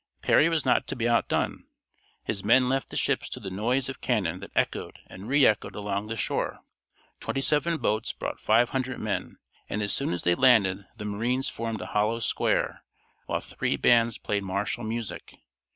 Perry was not to be outdone. His men left the ships to the noise of cannon that echoed and re echoed along the shore. Twenty seven boats brought five hundred men, and as soon as they landed the marines formed a hollow square, while three bands played martial music.